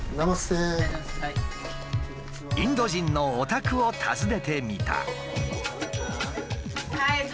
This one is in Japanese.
インド人のお宅を訪ねてみた。